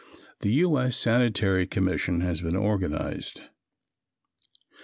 The U. S. Sanitary Commission has been organized.